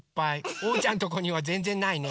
おうちゃんとこにはぜんぜんないね。